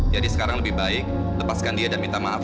jadi sekarang lebih baik lepaskan dia dan minta maaf